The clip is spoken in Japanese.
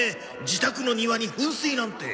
自宅の庭に噴水なんて。